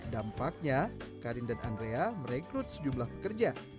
dampaknya karin dan andrea merekrut sejumlah pekerja